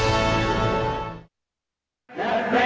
dan panitraudia perdata usaha negara